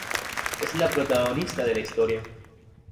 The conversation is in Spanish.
Es la protagonista de la historia.